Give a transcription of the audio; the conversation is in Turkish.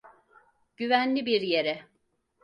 Güvenli bir yere.